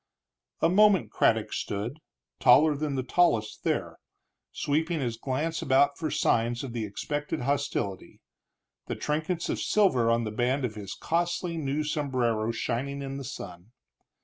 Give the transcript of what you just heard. A moment Craddock stood, taller than the tallest there, sweeping his quick glance about for signs of the expected hostility, the trinkets of silver on the band of his costly new sombrero shining in the sun.